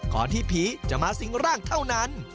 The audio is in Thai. ที่ผีจะมาสิงร่างเท่านั้น